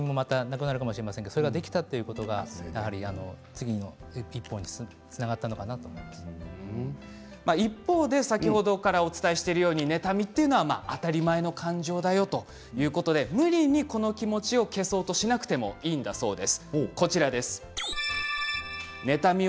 それができたということが次の一歩に一方で、先ほどからお伝えしているように妬みは当たり前の感情だよということで無理にこの気持ちを消そうとしなくてもいいんだそうです。